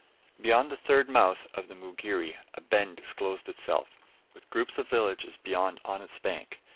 Beyond the third mouth of the Mugere a bend disclosed itself, with groups of villages beyond on its bank.